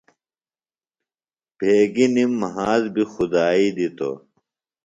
بھیگیۡ نِم مھاس بیۡ خدائی دِتوۡ۔